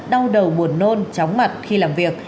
đau đầu buồn nôn chóng mặt khi làm việc